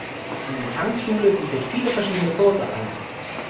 Die Tanzschule bietet viele verschiedene Kurse an.